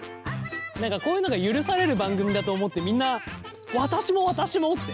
何かこういうのが許される番組だと思ってみんな「私も私も」って。